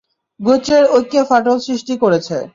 গোত্রের ঐক্যে ফাটল সৃষ্টি করেছে।